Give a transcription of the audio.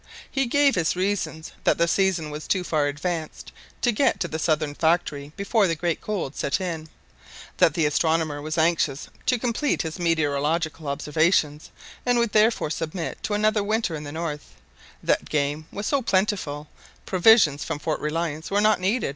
He gave as reasons that the season was too far advanced to get to the southern factory before the great cold set in, that the astronomer was anxious to complete his meteorological observations, and would therefore submit to another winter in the north, that game was so plentiful provisions from Fort Reliance were not needed.